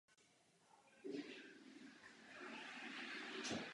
Žijí na výslunných místech ve štěrbinách vápencových skal.